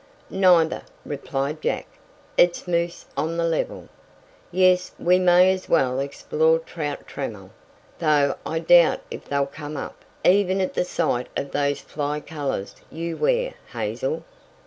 "Neither," replied Jack. "It's Moose on the level. Yes, we may as well explore Trout Trammel though I doubt if they'll come up even at the sight of those fly colors you wear, Hazel."